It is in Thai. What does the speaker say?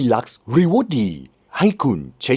ดูแล้วคงไม่รอดเพราะเราคู่กัน